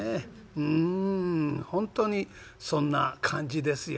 うん本当にそんな感じですよ。